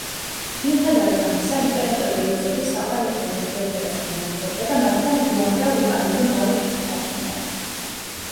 მიუხედავად ამისა, იმპერატორი იოზეფი საყვარლებთან ურთიერთობას განაგრძობდა და მათთან უამრავ უკანონო ბავშვს აჩენდა.